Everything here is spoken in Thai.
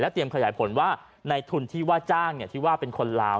เตรียมขยายผลว่าในทุนที่ว่าจ้างที่ว่าเป็นคนลาว